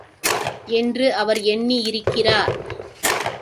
என்று அவர் எண்ணியிருக்கிறார்.